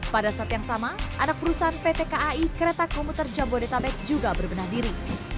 pada saat yang sama anak perusahaan pt kai kereta komuter jabodetabek juga berbenah diri